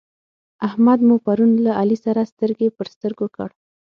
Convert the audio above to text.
احمد مو پرون له علي سره سترګې پر سترګو کړ.